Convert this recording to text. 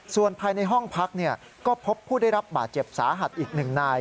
ส่วนภายในห้องพักก็พบผู้ได้รับบาดเจ็บสาหัสอีก๑นาย